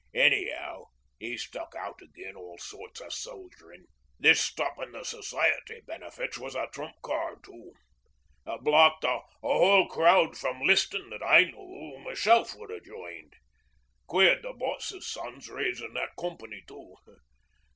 'Any'ow, 'e stuck out agin all sorts o' soldierin'. This stoppin' the Society benefits was a trump card too. It blocked a whole crowd from listin' that I know myself would ha' joined. Queered the boss's sons raisin' that Company too.